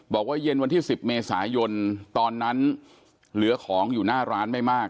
เย็นวันที่๑๐เมษายนตอนนั้นเหลือของอยู่หน้าร้านไม่มาก